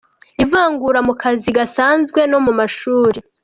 ivangura : mukazi gasanzwe , no mumashuli